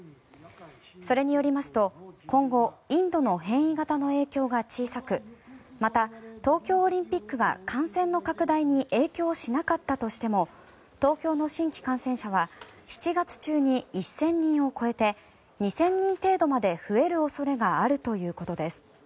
それによりますと、今後インドの変異型の影響が小さくまた、東京オリンピックが感染の拡大に影響しなかったとしても東京の新規感染者は７月中に１０００人を超えて２０００人程度まで増える恐れがあるということです。